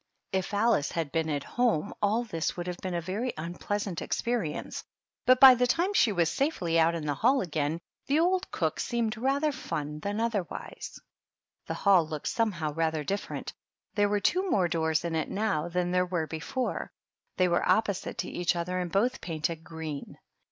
If Alice had been at home all this would have been a very unpleasant experience, but by the time she was safely out in the hall again, the old cook seemed rather fun than otherwise. The hall looked somehow rather different : there were two more doors in it now than there were before; they were opposite to each other and both painted green.